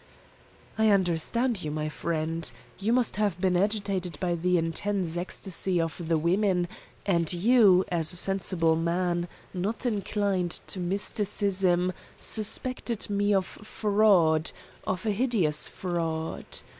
"I understand you, my friend. You must have been agitated by the intense ecstasy of the women, and you, as a sensible man, not inclined to mysticism, suspected me of fraud, of a hideous fraud.